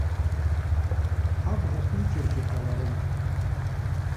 Ҳабӷа ԥиҵәаргьы ҟаларын.